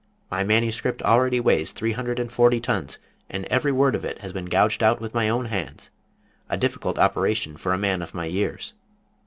My manuscript already weighs three hundred and forty tons, and every word of it has been gouged out with my own hands a difficult operation for a man of my years.